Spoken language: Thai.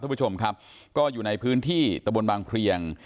ผู้ชมครับก็อยู่ในพื้นที่ตะบนบางเพลียง